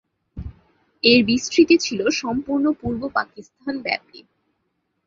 এর বিস্তৃতি ছিল সম্পূর্ণ পূর্ব পাকিস্তান ব্যাপী।